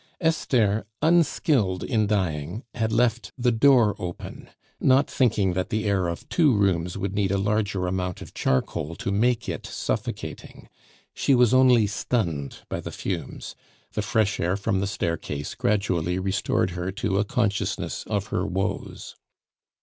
Esther, unskilled in dying, had left the door open, not thinking that the air of two rooms would need a larger amount of charcoal to make it suffocating; she was only stunned by the fumes; the fresh air from the staircase gradually restored her to a consciousness of her woes.